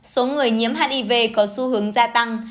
số người nhiễm hiv có xu hướng gia tăng